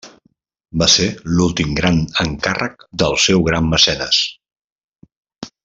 Va ser l'últim gran encàrrec del seu gran mecenes.